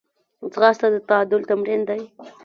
ځغاسته د تعادل تمرین دی